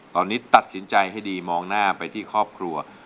ตอนนี้ตัดสินใจให้ดีมองหน้าไปที่ครอบครัว